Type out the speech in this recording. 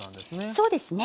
そうですね。